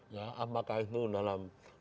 ya apakah itu dalam program dia